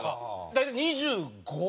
大体２５。